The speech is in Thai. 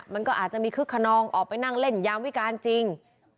มันก็อาจจะมีคึกขนองออกไปนั่งเล่นยามวิการจริง